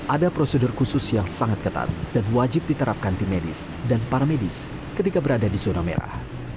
ada prosedur khusus yang sangat ketat dan wajib diterapkan tim medis dan para medis ketika berada di zona merah